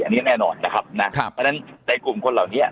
อันนี้แน่นอนนะครับนะเพราะฉะนั้นในกลุ่มคนเหล่านี้